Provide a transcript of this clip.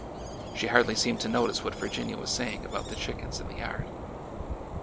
She hardly seemed to notice what Virginia was saying about the chickens in the yard.